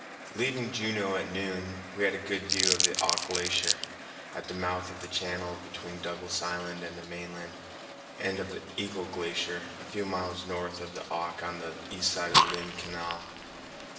Leaving Juneau at noon, we had a good view of the Auk Glacier at the mouth of the channel between Douglas Island and the mainland, and of Eagle Glacier a few miles north of the Auk on the east side of Lynn Canal.